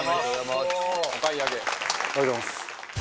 ありがとうございます。